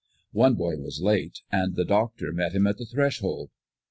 One boy was late, and the Doctor met him at the threshold.